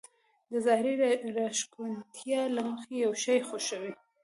د ظاهري راښکونتيا له مخې يو شی خوښوي.